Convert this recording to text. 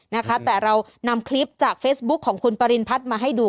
นะคะแต่เรานำคลิปจากเฟซบุ๊คของคุณปริณพัฒน์มาให้ดู